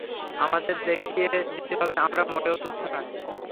আমাদের দেখিয়ে দিতে হবে আমরা মোটেও তুচ্ছ নই।